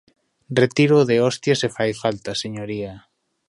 Retiro o de hostia se fai falta, señoría.